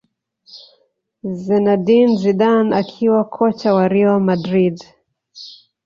zinedine zidane akiwa kocha wa real madrid